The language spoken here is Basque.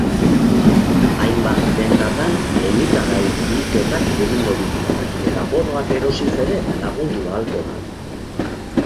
Hainbat dendatan elikagai bilketak egingo dituzte eta bonoak erosiz ere lagundu ahalko da.